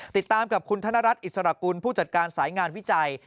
ติดตามกับคุณธนรัฐอิสระกุลผู้จัดการสายงานวิจัย